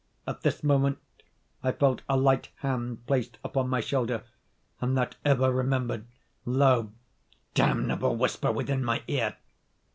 At this moment I felt a light hand placed upon my shoulder, and that ever remembered, low, damnable whisper within my ear.